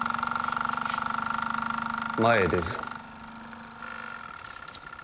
前へ出るぞ。